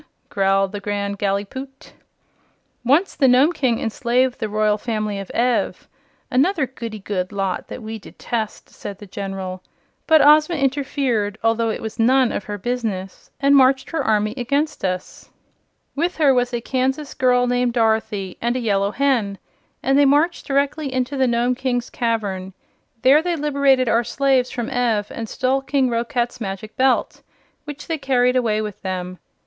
growled the Grand Gallipoot. "Once the Nome King enslaved the Royal Family of Ev another goody goody lot that we detest," said the General. "But Ozma interfered, although it was none of her business, and marched her army against us. With her was a Kansas girl named Dorothy, and a Yellow Hen, and they marched directly into the Nome King's cavern. There they liberated our slaves from Ev and stole King Roquat's Magic Belt, which they carried away with them.